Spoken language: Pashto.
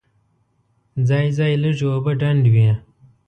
ځای ځای لږې اوبه ډنډ وې.